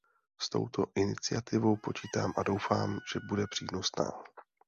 S touto iniciativou počítám a doufám, že bude přínosná.